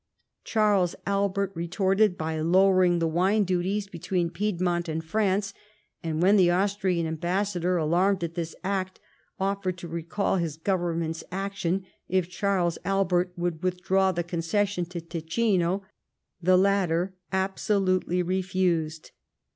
Charles Albert retorted by lowering the wine duties between Piedmont and France, and when the Austrian ambassador, alarmed at this act, offered to recall his Government's action if Cbarles Albert would withdraw tbe concession to Ticino, tlie latter absolutely refused.